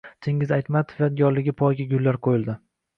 Chingiz Aytmatov yodgorligi poyiga gullar qo‘yildi